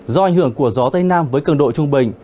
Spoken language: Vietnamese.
do ảnh hưởng của gió tây nam với cường độ trung bình